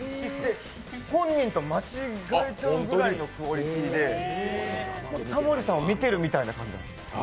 本人と間違えちゃうくらいのクオリティーでタモリさんを見ているみたいな感じなんです。